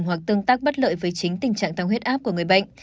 hoặc tương tác bất lợi với chính tình trạng tăng huyết áp của người bệnh